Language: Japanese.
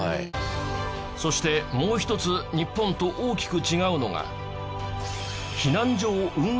そしてもう一つ日本と大きく違うのが。